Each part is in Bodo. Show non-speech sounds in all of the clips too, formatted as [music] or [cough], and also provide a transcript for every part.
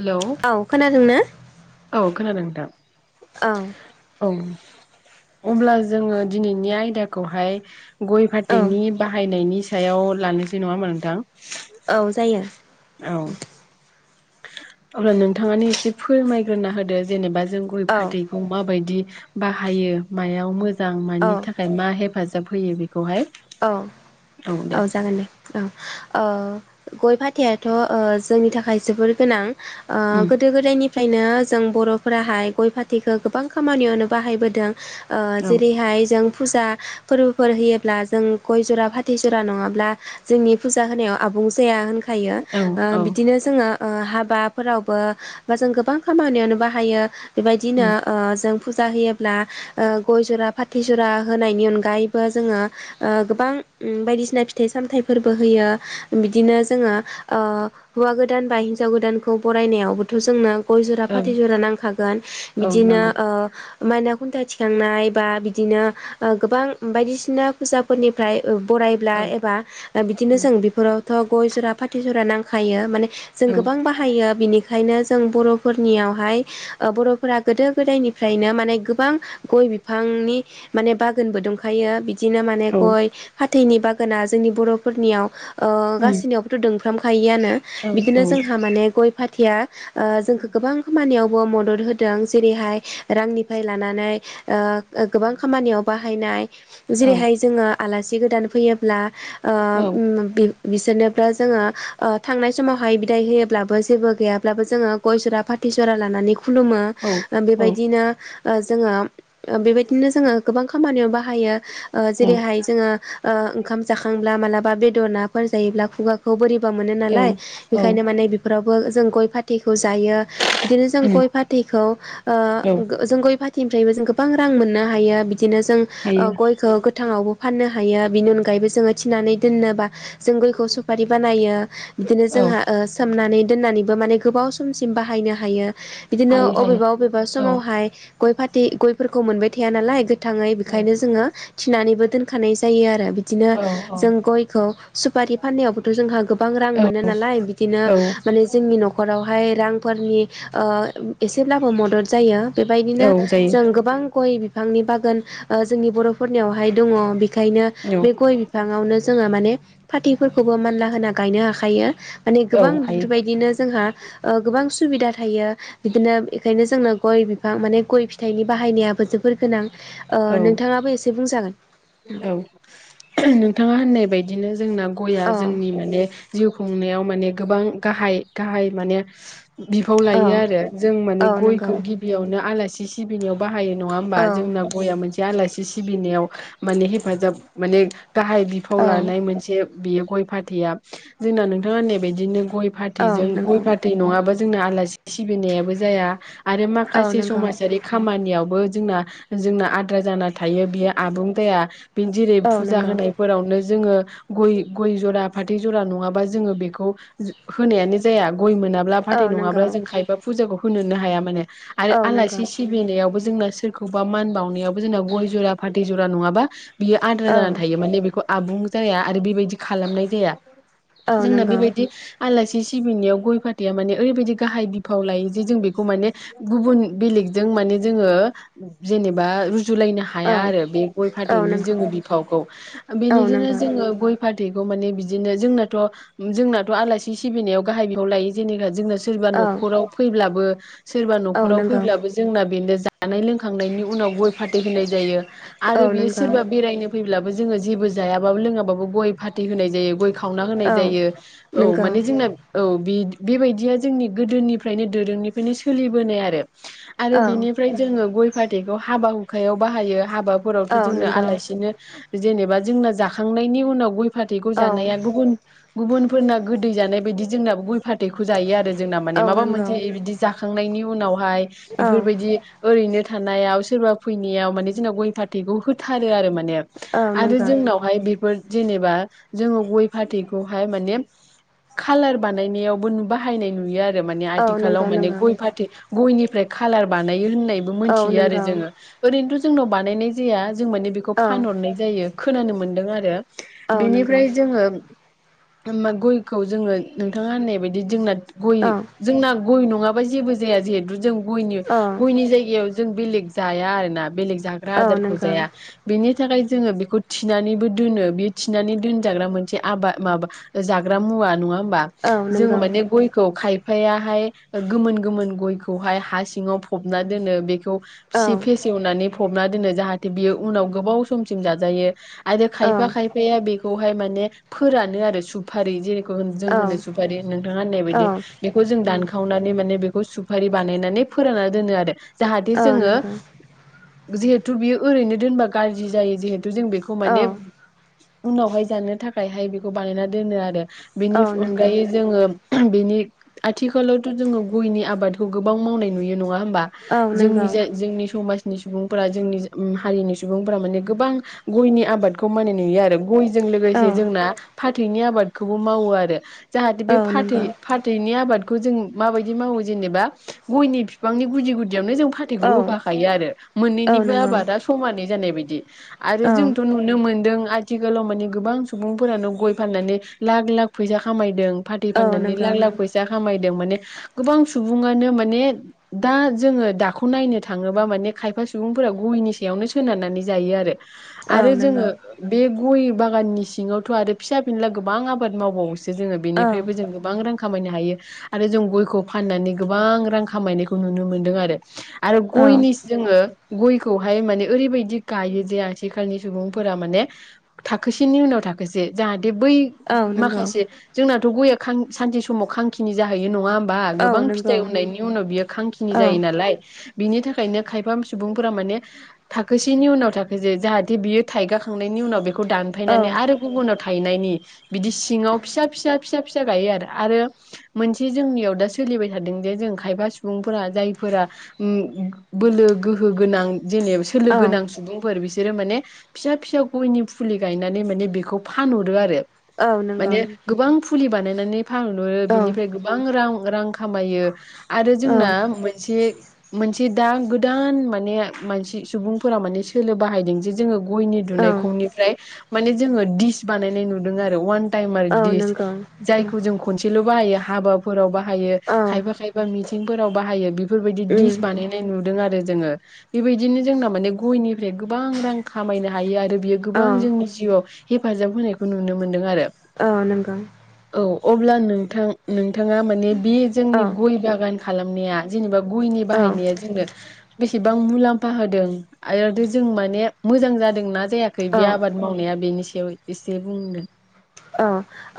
हेलौ औ खोनादोंना औ खोनादों। दा औ अब्ला जोङो दिनैनि आयदाखौहाय गय औ फाथैनि बाहायनायनि सायाव लानोसै नङा होनबा नोंथां? औ जायो औ अब्ला नोंथाङानो एसे फोरमायग्रोना होदो जेनेबा जों गय औ फाथैखौ माबायदि बाहायो मायाव मो जां औ मानि थाखाय मा हेप हेफाजाब होयो बे औ औ जागोन दे औ ओ गय फाथैयाथ' ओ जोंनि थाखाय जोबोर गोनां ओ उम गोदो गोदायनि ओखायनो जों बर'फोराहाय गय फाथैखो गोबां खामानियावनो बाहायबोदों ओ औ जेरैहाय जों फुजा फोरबोफोर होयोब्ला जों गय जरा फाथै जरा नङाब्ला जोंनि फुजा होनायाव आबुं जाया होन थायो औ ओ औ बिदिनो जोङो ओ हाबाफोरावबो बा जों गोबां खामानियावनो बाहायो बेबायदिनो उम ओ जों फुजा होयोब्ला ओ गय जरा फाथै जरा होनायनि अनगायैबो जोङो ओ गोबां उम बायदिसिना फिथाइ सामथाइफोरबो होयो बिदिनो जोङो ओ हौवा गोदान बा हिन्जाव गोदानखौ बरायनायावबोथ' जोंनो गय जरा फाथै ओं जरा नांखागोन औ बिदिनो नांगौ ओ माइना खुन्था थिखांनाय बा बिदिनो ओ गोबां बायदिसिना फुजाफोरनिफ्राय ओ बरायब्ला औ एबा बिदिनो उम जों बेफोराव थ' गय ज'रा फाथै ज'रा नांखायो माने जों औ गोबां बाहायो बिनिख ओंखायनो जों बर'फोरनियावहाय ओ बर'फोरा गोदो गोदायनिफ्रायनो माने गोबां गय बिफांनि माने बागोनबो दंखायो बि दिनो माने औ गय फाथ दैनि बागोना जोंनि बर'फोरनियाव ओ उम गासैनियावबोथ' दों [unintelligible] यानो औ बिदिनो औ जोंहा माने गय फाथ थिया ओ जोंखौ गोबां खामानियाव मदद होदों जेरैहाय रांनिफ्राय लानानै ओ ओ गोबां खामानियावबा बाहायनाय औ जेरैहाय जोङो आलासि जि गोदान फैयोब्ला ओ औ ओम बि बिसोरनोबो जोङो थांनाय समावहाय बिदाय होयोब्लाबो जेबो गैयाब्लाबो जोङो गय जरा फाथै जरा लानानै खु खुलुमो ओ बेबायदिनो ओ जोङो बेबायदिनो जोङो गोबां खामानियाव बाहायो ओ औ जेरैहाय जोङो ओ ओंखाम जाखांब्ला मालाब बा बेदर नाफोर जायोब्ला खुगाखौ बोरै मोनो नालाय औ औ बेनिखायनो माने बेफोरावबो जों गय फाथै जायो बिदिनो जों उम गय फाथैखौ ओ औ गो जों गय फाथै बिनिफ्रायबो जों गोबां रां मोननो हायो बि बिदिनो जों ओ हायो गय गोथाङावबो फाननो हायो बिनि अनगायैबो जोङो थिनानै दोननोबा जों गयखौ सुफारि बानायो। [inaudible] बिदिनो औ जोंहा ओ सोमनानै दोननानैबो माने गोबाव समसिम बाहायनो हायो बिदिनो हायो हायो अबेबा अबेबा औ समावहाय गय फाथै गयफोरखौ मोनबाय थाया नालाय थाङो औ बेनिखायनो जोङो फिनानैबो दोनखानाय जायो आरो बिदिनो औ जों औ गयखौ सुपारि फाननायावबोथ जोंहा गोबां रां मोनो नालाय बिदिनो औ औ माने जोंनि न'ख रावहाय रांफोरनि ओ एसेब्लाबो मदद जायो। बेबायदिनो औ जों जायो गोबां गय बि फांनि बागोन ओ जोंनि बर' यावहाय दङ बे खायनो बे गय बिफांआवनो जोङो माने फाथैफोरखौबो मानला होना गायनो हाखायो। माने औ औ गोबां हायो बेफोरबायदिनो जोंहा ओ गोबां सुबिदा थायो। बिदिनो इखायनो जोंनो गय बिफां माने गय फिथाइनि बाहायनायाबो जोबोर गोनां। ओ औ नोंथाङाबो एसे बुंजागोन। औ नोंथाङा होननाय बायदिनो। जोंना गया औ जोंनि माने जिउ खुंनायाव माने गोबां गाहाय गाहाय माने बिफाव औ लायो आरो जों माने औ नंगौ गयखौ गिबियावनो आला सि सिबिनायाव बा हायो नङा होमबा औ जोंना गया मोनसे आलासि सिबिनायाव माने हेफाजाब माने गाहाय बिफाव औ लानाय मोनसे बेयो गय फाथैया जोंना नोंथाङा होननाय बायदिनो गय औ पाथैजों गय नंगौ पाथै नङाबा जोंना आलासि सिबिनायाबो जाया आरो औ माखासे नंगौ समाजारि खामानियावबो जोंना जोंना आद्रा जाना थायो बेयो आबुं जाया। जेरै औ फुजा नंगौ होनायफोरावनो जोङो गय गय जरा फाथै जरा नङाबा जोङो बेखौ होनायानो जाया गय मोनाब्ला औ फाथै नंगौ नङाब्ला जों खायबा फुजाखौ होनोनो हाया माने। आरो औ नंगौ आलासि सिबिनायावबो जोंना सोरखौबा मान बावनायाव जोंना गय जरा फा थै जारा नङाबा बियो आद्रा औ जानानै थायो माने बेखौ आबुं जाया आरो बेबाय दि खालामनाय जाया। औ जोंना नंगौ बेबायदि आलासि सिबिनाययाव गय फाथैआ माने ओरैबायदि गाहाय बिफाव लायो जे जों बेखौ माने गुबुन बेलेग जों माने जोङो जेनेबा रु जुलायनो औ हाया आरो बे गय औ फाथैनि जों नंगौ बिफावखौ औ बेनिदोनो नंगौ जोङो गय फा फाथैखौ माने बिदिनो जोंनाथ' जोंनाथ' आलासि सिबिनायाव गाहाइ बिफाव लायो जेनेबा जों सोरबा औ नखराव फैब्लाबो [inaudible] सोरबा औ नखराव नंगौ फैब्लाबो जोंना बेनो जानाय लोंखांनायनि उनाव गय फाथै होनाय जायो औ नंगौ औ आरो बियो नंगौ सोरबा बेरायनो फैब्लाबो जोङो जेबो जायाबाबो लोङाबाबो गय फाथै होनाय जायो। गय खावना होनाय औ जायो औ माने जोंना औ बे बे बेबायदिया जोंनि गोदोनिफ्रायनो दोरोंनिफ्रायनो सोलिबोनाय आरो आरो औ बिनिफ्राय जोङो गय फाथैखौ हाबा हुखायाव बाहायो। हाबा फोरावथ' औ जोंना नंगौ आलासिनो जेनेबा जोंना जाखांनायनि उनाव गय फाथैखौ औ जानाया गुबुन गुबुनफोरना गोदै जानाय बायदि जोंना गय फा थैखौ जायो आरो जोंना माने औ माबा नंगौ मोनसे बिदि जा खांनायनि उनाव हाय औ बेफोरबादि ओैरैनो थानायाव सोरबा फैनायाव माने जोंना गय फा थैखौ होथारो आरो मा ने नंगौ आरो नंगौ जोंनावहाय बेफोर जेनेबा जोङो गय फाथैखौहाय माने खालार बानायनायावबो बाहायनाय नुयो आ रो माने आथिखालाव माने गय फाथै गयनिफ्राय खालार बानायो होननायबो औ मोनथियो आरो नंगौ जोङो ओरैनोथ' जोंनाव बानायनाय जाया जों माने बेखौ औ फानहरनाय जायो खोनानो मोन्दों आरो औ नंगौ बेनिफ्राय जोङो ओम गयखौ जोङो नोंथाङा होननाय बायदि जोंना गय औ जोंना गय नङाबा जेबो जाया जिहेतु जों गयनि औ गयनि जायगायाव जो जों बेलेग जाया आरोना। बेलेग जाग्रा औ आदार नंगौ जाया बिनो बेनि थाखाय जोङो बेखौ थिनानैबो दोनो बे थिनानै दोनजाग्रा मोनसे आबाद माबा जाग्रा मुवा नङा ओम बा औ जों नंगौ माने गयखौ खाय बिफायाहाय गोमोन गोमोन गयखौहाय हा सिङाव फबना दोनो बे खौ औ फिसि फेसेवनानै खबना दोनो जाहाथ बियो उनाव गोबाव समसिम जाजायो। आरो औ खायफा खायफाया बेख बेखौहाय माने फोरानो आरो सुफारि जेरै जों औ होनो सुफारि नोंथाङा होननाय औ बायदि बेखौ जों दानखावनानै माने सुफारि बानायनानै फोरानना दोनो आरो। जाहाथे औ जोङो नंगौ जिहु टु बियो ओरैनो दोनबा गाज्रि जायो जिहेत जों बेखौ औ माने उनावहाय जानो थाखायहाय बेखौ बानायना दोनो आरो। औ बिनिफ नंगौ अनगायै जोङो बेनि आथिखालावथ जोङो गयनि आबादखौ गोबां मावनाय नुयो नङा होम बा औ नंगौ जोंनि जे जोंनि समाज नि सुबुंफोरा जोंनि उम हारिनि सुबुंफोरा माने गोबां गयनि आबादखौ मानाय नुयो आरो। गयजों औ लोगोसे जोंना फाथैनि आबादखौबो मावो आरो। जाहाथे बे औ फाथै नंगौ फाथैनि आबाद जों माबादि मावो जेनेबा गयनि बिफांनि गुुदि गुद दियावनो जों औ फाथैखौ होफाखायो आरो औ मोननैनिबो नंगौ आबाद खमानै जानाय बायदि। आरो औ जोंथ नुनो मोनदों आ आथिखालाव मानि गोबां सुबुंफोरानो गय फाननानै लाख लाख फैसा खामायदों फाथै फाननानै नंगौ लाख लाख नंगौ फैसा खामाय [unintelligible] माने गोबां सुबङनो माने दा जोङो दखौ नायनो थाङोबा माने खायफा सुबुंफोरा गयनि बेयावनो सोनारनानै जायो आरो औ आरो नंगौ जोङो बे ग'य बागाननि सिङावथ आरो फिसा फिला गोबां आबाद मावबावो सो जोङो औ बेनिफ्रायबो जों गोबां रां खामायनो हायो आरो जों गयखौ फाननानै गोबां रां खामायनायखौ नुनो मोनदों आरो आरो औ गयनि जोङो गयखौ हाय माने ओरैबायदि गायो जे आथिखालनि सुबुंफोरा माने थाखोसेनि उनाव थाखोसे जाहा थे बै औ नंगौ माखासे जोंनाथ गया‌ खां सानसे समाव खांखिनि जाहै यो नङा होमबा औ गोबां नंगौ फिथाइ उनायनि उनाव बियो खांखिनि औ जायो नालाय बिनि थाखायनो खायफा सुबुंफोरा माने थाखोसेनि उनाव थाखोसे जाहाथे बियो थाइगाखांनायनि उनाव बे खौ औ दानफैनानै आरो गुबुनाव थायनायनि बिदि सिङाव फिसा फिसा फिसा फिसा गायो आरो आरो मोनसे जोंनियाव दा सोलिबाय थादों जे जों खायफा सुबुंफोरा जायफोरा बोलो गोहो गोनां जेने सोलो गोनां सुबुंफोर बिसोरो माने फिसा फिसा गयनि फुलि गायनानै माने बेखौ फानहरो आरो औ नंगौ औ नंगौ माने गोबां फुलि बानायनानै फानहहरो बिनिफ्राय औ गोबां रां रां खामायो आरो जोंना मोनसे मोनसे दा गोदान माने मानसि सुबुंफोरा माने सोलो बाहायदों जे जोङो गयनि औ दुनायखंनिफ्राय माने जोङो दिस बानायनाय नुदों आरो वान टाइमार औ दिस जायखौ जों खनसेल बाहायो हाबाफोरावबा हायो खायफा खायफा फोराव बाहायो बि फोरबायदि नंगौ दिडिस बानायनाय नु दों आरो जोङो बेबायदिनो जोंना माने गयनिफ्राय गोबां रां खामायनो हायो आरो बियो गोबां जोंनि जिउआव हेफाजाब होनायखौ नुनो मोन्दों आरो औ नंगौ औ अब्ला नोंथां नों थाङा माने बे औ जोंनि गय बागान खालामनाया जेनेबा गयनि औ बाहायनाया जोंनो बेस बां मुलाम्फा होदों आरो जों माने मोजां जादोंना जायाखै औ बे आबाद मावनाया बेनि सायाव एसे बुंनो औ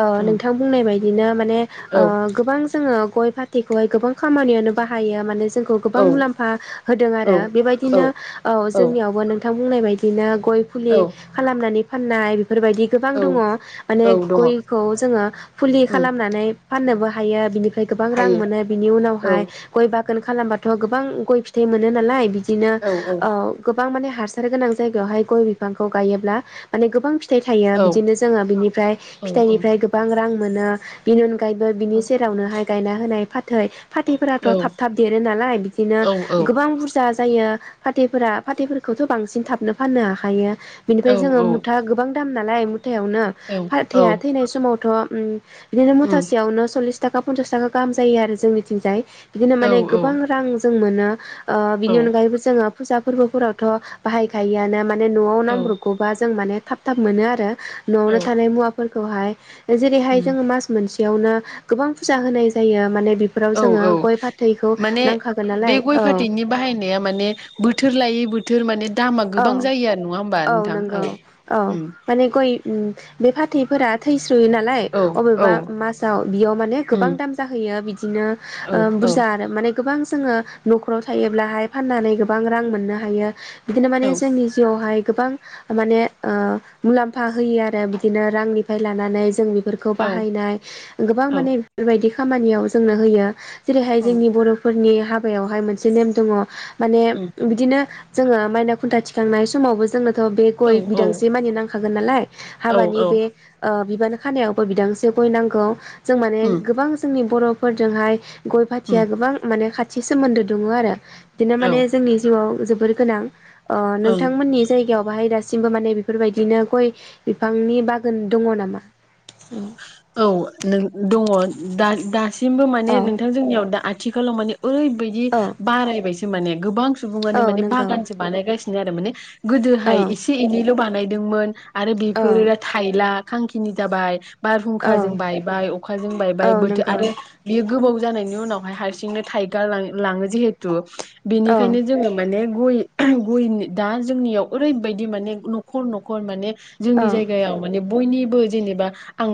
ओ औ नोंथां बुंनाय बायदिनो माने ओ गोबां जोङो गय फा थैखौहाय गोबां खामानियावानो बाहायो माने जोंखौ गोबां औ मुलाम्फा होदों औ आरो औ बेबायदिनो औ जोंनियावबो नोंथां बुंनाय बायदिनो गय फुलि औ खालामनानै फान्नाय बेफोरबायदि गोबां औ दङ माने औ दङ गयखौ जोङो फुलि उम खालामनानै फान्नोबो हायो बिनि फाय गोबां रां हायो मोनो। बिनि औ उनावहाय गय बागान खालामबाथ गोबां गय फिथाइ मोनो नालाय बि दिनो औ औ ओ गोबां माने हासार गोनां जायगायावहाय गय बिफांखौ गायोब्ला माने गोबां फिथाइ थायो औ बिदिनो जोङो बिनि फ्राय औ औ फिथाइनिफ्राय गोबां रां मोन। ो बेनि अनगा यैबो बिनि सेरावनोहाय गायना होनाय फाथ थै फाथैफोराथ औ थाब थाब देरो नालाय बिदिनो औ गोबां बुरजा जायो। फाथैफोरा फाथैफोरखौथ बांसिन थाबनो फान्नो हाखायो। बेनिफ्राय जोङो मुथा गोबां दाम नालाय थायावनो फाथैया थैनाय समाव थ उम बिदिनो उम मुथासेयावनो सललिस थाखा पनसास थाखा गाहाम जायो आरो जोंनिथिंजाय। बिदिनो औ माने औ गोबां रां जों मोनो। ओ बिनि अनगायैबो जोङो फुजा फोरबोफोरावथ बाहायखायोआनो मान माने नआव नांब्रबगौबा जों माने थाब थाब मोनो आरो। औ नआवनो फोरखौहाय जेरैहाय उम जोङो मास मोनसे बेयावनो गोबां फुजा होनाय जायो माने बेफोराव औ जोङो औ गय फाथैखौ माने नांखागोन बे नालाय गय औ फाथैनि बाहायनाया माने बोथोर लायै बोथ थोर माने दामा औ गोबां जायो आरो नङा होमबा औ नोंथां नोंगौ औ औ उम माने गय ओम बे फाथैफोरा थै सुयो नालाय औ औ अबेबा मासाव बेयाव माने उम गोबां दाम जाहैयो बि बिदिनो औ ओम औ बुरजा आरो माने गोबां। जोङो नखराव थायोब्लाहाय फाननानै गोबां रां मोननो हायो। बिदिनो माने औ जोंनि जिउआवहाय। गोबां माने ओ मुलाम्फा होयो आरो बिदिनो रांनिफ्राय लानानै जोंनि फोरखौ औ बाहायनाय गोबां औ माने बेफोरबायदि खामानियाव जोंनो होयो। जेरैहाय औ जोंनि बरफोरनि हाबायावहाय मोनसे नेम दङ। माने उम बिदिनो जोङो माइना खुन्था थिखांनाय समावबो जोङो थह बे औ गय औ बिदांसे मानि नांखागोन नालाय औ हाबानि औ बे ओ बिबान खानायावबो बिदांसे गय नांगौ। जों माने उम गोबां जोंनि बर। फोरजोंहाय गय उम फाथिया गोबां माने खाथि थि सोमोन्दो दङ आरो। बिदिनो औ माने जोंनि जिउआव जोबोद गोर गोनां। ओ ओं नोंथांमोननि जाय जायगायाव बाहाय दासिमबो माने बेफोरबायदिनो गय बिफांनि बागान दङ नामा औ नों दङ। दसिमबो माने औ नोंथां जनियाव दा आ। थिखालाव माने। ओरैबायदि औ बारायबायसो। माने गोबां। सुबुङानो औ माने नंगौ बागानसो बानायगासिनो [unintelligible] माने औ गोदोहाय एसे एनैल बानायो दोंमोन। आरो औ बेफोरो थाइला। खांखिनि जाबाय औ बारहुंखाजों बायबाय अखाजों औ बायबाय बोथोर नंगौ आरो बेयो गोबाव जानायनि उनावहाय हारसिं सिंनो थाइगा लां लाङो जिहेतु औ बेनिखायनो जोङो माने गय गय दा जोंनियाव ओरैबायदि माने न'खर न'खर माने। औ जोंनि जायगायाव माने बयनिबो जेनेबा आं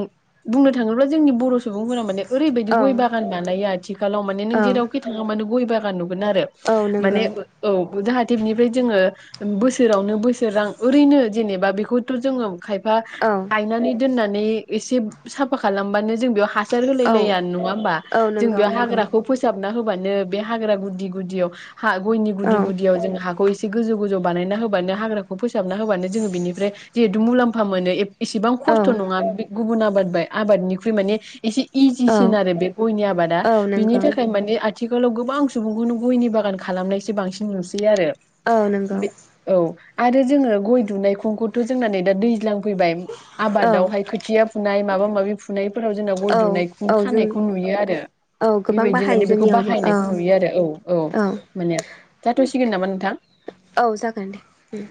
बुंनो थाङोब्ला जोंनि बर सुबुंफोरा माने ओरैबायदि औ गय बागान बानायो आथि खालाव माने नों जेरावखि थाङा मानो गय बागान नुगोन। आरो औ माने नंगौ औ। जाहाथे बेनिफ्राय जोङो बोसोरावनो बोसोर रां ओरैनो जेनेबा बेखौथ जोङो खाय फा औ गायनानै दोननानै। एसे साफा खालामबानो जों बेयाव हास हासर होलाय औ लाया नङा होमबा औ जों नंगौ बेयाव नंगौ हाग्राखौ फोसाब बना होबानो बे हाग्रा गुदि गुदियाव। हा गयनि औ गुदि गुदियाव जों हाखौ इसे गोजौ गोजौ बानायना होबानो हाग्राखौ फोसाब फोसाबना होबानो जोङो बेनिफ्राय जिहेथु मुलाम्फा मोनो ए इसेबां औ खस्थ नङा। गुबुन आबाद बाय आबादनिख्रुइ माने एसे औ इजिसिन आरो बे गयनि आबादा औ बिनि नंगौ थाखाय माने आथ आथिखालाव गोबां सुबुंखौनो गयनि बागान खालामनायसो बांसिन नुसै बि आरो औ नंगौ बि औ, आरो जोङो गय दुनायखंखौथ' जोंना नै दा दैज्लां, फैबाय औ आबादावहाय खो फुनाय माबि फु फुनायफोराव जोंना गय औ दुनायखौ औ जों खानायखौ नुयो आरो औ गोबां बेबायदि बाहायो माने बेखौ जोंनियावबो औ बाहायनायखौ नुयो आरो औ औ माने जाथ'सिगोन नामा नोंथां, औ जागोन दे